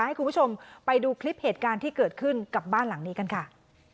ให้คุณผู้ชมไปดูคลิปเหตุการณ์ที่เกิดขึ้นกับบ้านหลังนี้กันค่ะ